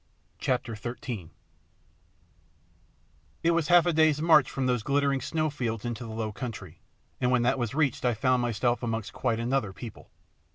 CHAPTER XIII It was half a day's march from those glittering snow fields into the low country, and when that was reached I found myself amongst quite another people.